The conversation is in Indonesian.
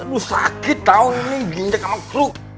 aduh sakit tau nih gendek sama kru